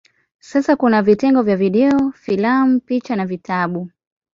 Sasa kuna vitengo vya video, filamu, picha na vitabu.